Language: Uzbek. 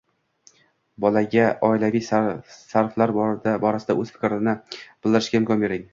Bolaga oilaviy sarflar borasida o‘z fikrini bildirishga imkon bering.